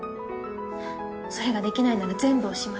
それができないなら全部おしまい。